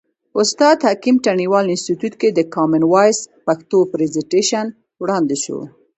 استاد حکیم تڼیوال انستیتیوت کې د کامن وایس پښتو پرزنټیشن وړاندې شو.